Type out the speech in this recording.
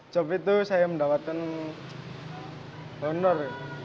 job itu saya mendapatkan honor